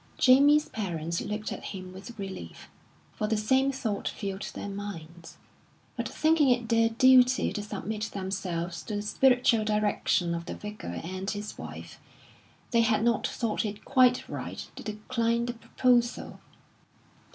Jamie's parents looked at him with relief, for the same thought filled their minds; but thinking it their duty to submit themselves to the spiritual direction of the Vicar and his wife, they had not thought it quite right to decline the proposal.